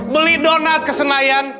beli donat kesenayan